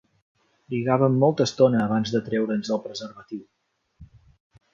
Trigàvem molta estona abans de treure'ns el preservatiu.